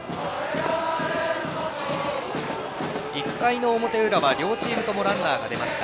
１回の表裏は両チームともランナーが出ました。